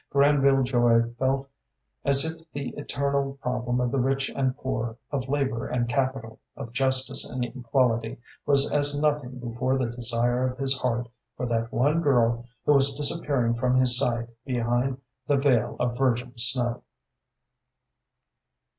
Granville Joy felt as if the eternal problem of the rich and poor, of labor and capital, of justice and equality, was as nothing before the desire of his heart for that one girl who was disappearing from his sight behind the veil of virgin snow.